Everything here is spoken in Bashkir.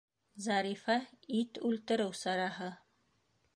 Зарифа - ит үлтереү сараһы.